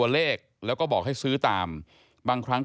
เลขทะเบียนรถจากรยานยนต์